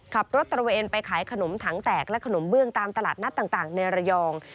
ขับรถตระเวนไปขายขนมถังแตกและขนมเบื้องตามตลาดนัดต่างในระยอง